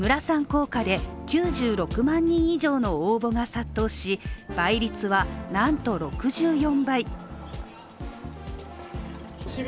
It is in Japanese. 効果で９６万人以上の応募が殺到し倍率は、なんと６４倍。